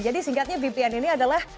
jadi singkatnya vpn ini adalah